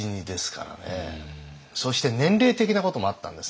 そして年齢的なこともあったんです。